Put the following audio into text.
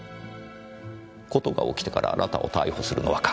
事が起きてからあなたを逮捕するのは簡単です。